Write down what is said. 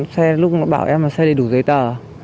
xe lúc nó bảo em là xe đầy đủ giấy tờ